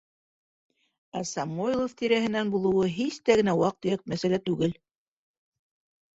Ә Самойлов тирәһенән булыуы һис тә генә ваҡ-төйәк мәсьәлә түгел.